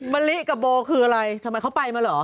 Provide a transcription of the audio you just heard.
มะลิกับโบคืออะไรทำไมเขาไปมาเหรอ